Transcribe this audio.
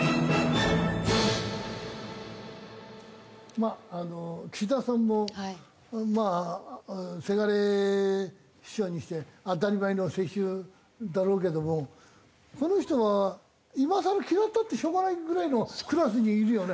まあ岸田さんもまあせがれ秘書にして当たり前の世襲だろうけどもこの人は今更嫌ったってしょうがないぐらいのクラスにいるよね。